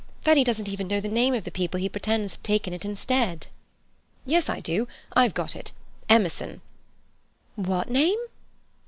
Freddy doesn't even know the name of the people he pretends have taken it instead." "Yes, I do. I've got it. Emerson." "What name?"